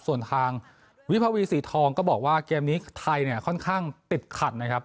ส่วนทางวิภาวีสีทองก็บอกว่าเกมนี้ไทยเนี่ยค่อนข้างติดขัดนะครับ